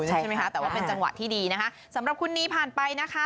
ใช่ไหมคะแต่ว่าเป็นจังหวะที่ดีนะคะสำหรับคนนี้ผ่านไปนะคะ